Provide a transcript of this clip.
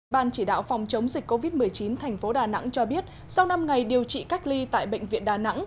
ban chỉ đạo phòng chống dịch covid một mươi chín thành phố đà nẵng cho biết sau năm ngày điều trị cách ly tại bệnh viện đà nẵng